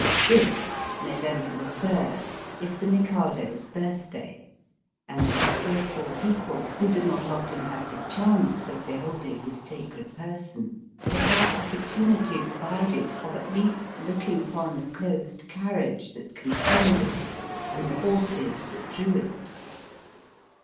This (November 3) is the Mikado's birth day, and his faithful people, who do not often have the chance of beholding his sacred person, have had opportunity provided of at least looking upon the closed carriage that contained it, and the horses that drew it.